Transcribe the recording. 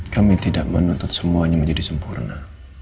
kami tidak menuntut semuanya menjadi sempurna